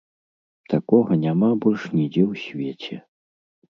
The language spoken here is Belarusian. Такога няма больш нідзе ў свеце!